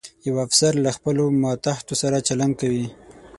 یو افسر به له خپلو ماتحتو سره چلند کوي.